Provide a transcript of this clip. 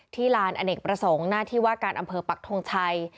ลานอเนกประสงค์หน้าที่ว่าการอำเภอปักทงชัย